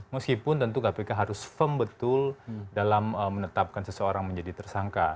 meskipun tentu kpk harus firm betul dalam menetapkan seseorang menjadi tersangka